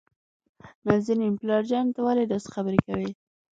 نازنين: پلار جانه ته ولې داسې خبرې کوي؟